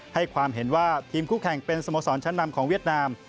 ให้ความเห็นว่าทีมคู่แข่งเป็นสโมสรชั้นนำของเวียดนาม